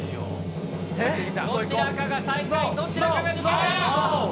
どちらかが最下位、どちらかが抜ノー。